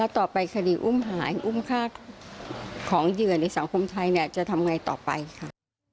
ต่อไปคดีอุ้มหายอุ้มฆ่าของเหยื่อในสังคมไทยจะทำไงต่อไปค่ะ